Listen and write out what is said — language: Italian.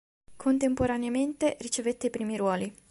Contemporaneamente ricevette i primi ruoli.